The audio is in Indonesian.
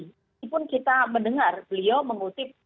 meskipun kita mendengar beliau mengutip